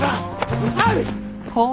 うるさい！